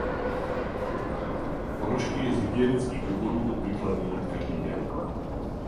Ponožky je z hygienických důvodů obvyklé měnit každý den.